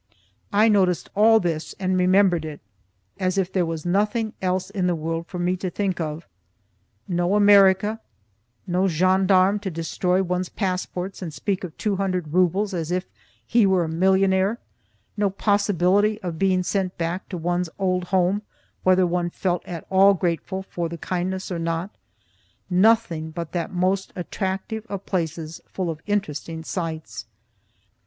I noticed all this and remembered it, as if there was nothing else in the world for me to think of no America, no gendarme to destroy one's passports and speak of two hundred rubles as if he were a millionaire, no possibility of being sent back to one's old home whether one felt at all grateful for the kindness or not nothing but that most attractive of places, full of interesting sights.